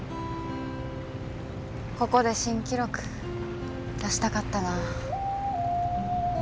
ここで新記録出したかったな。